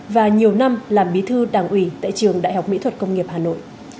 và nhiều năm làm bí thư đảng ủy tại trường đại học mỹ thuật công nghiệp hà nội